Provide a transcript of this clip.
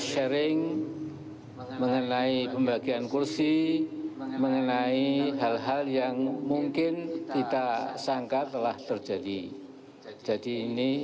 sharing mengenai pembagian kursi mengenai hal hal yang mungkin kita sangka telah terjadi jadi ini